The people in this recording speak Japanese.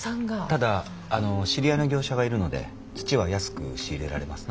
ただ知り合いの業者がいるので土は安く仕入れられます。